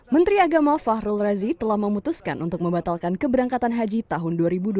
menteri agama fahrul razi telah memutuskan untuk membatalkan keberangkatan haji tahun dua ribu dua puluh